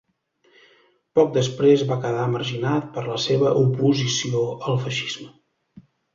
Poc després va quedar marginat per la seva oposició al feixisme.